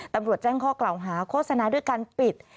ตำรวจแจ้งข้อกล่าวหาโฆษณาด้วยการปิด